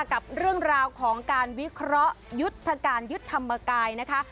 กับเรื่องราวของการวิเคราะห์ยุทธการยุทธธรรมกายนะคะ